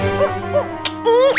ih apaan sih